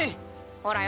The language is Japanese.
ほらよ。